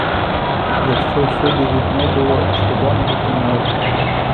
Яшчэ ўсюды відно было, што дом гэты новы.